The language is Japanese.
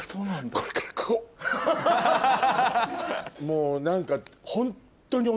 もう何か。